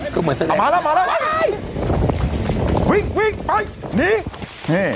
ก็เหมือนสักอย่างมาแล้วมาแล้ววิ่งวิ่งไปหนีนี่